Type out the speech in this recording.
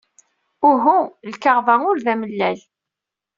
Uhu, lkaɣeḍ-a ur d amellal.